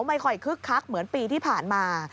ไม่ค่อยคึกคักเหมือนปีที่ผ่านมา